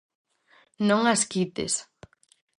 Non as quites.